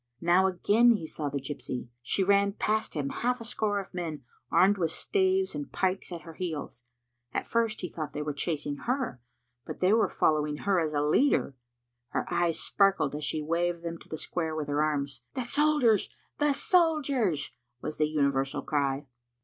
Now again he saw the gypsy. She ran past him, half a score of men, armed with staves and pikes, at her heels. At first he thought they were chasing her, but they were following her as a leader. Her eyes sparkled as she waved them to the square with her arms. "The soldiers, the soldiers!" was the universal cry.